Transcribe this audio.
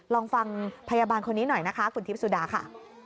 ลองฟังพยาบาลคนนี้หน่อยนะคะคุณทิพย์สุดาค่ะ